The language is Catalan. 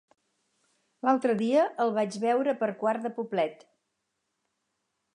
L'altre dia el vaig veure per Quart de Poblet.